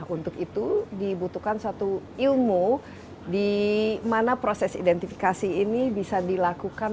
untuk itu dibutuhkan suatu ilmu di mana proses identifikasi ini bisa dilakukan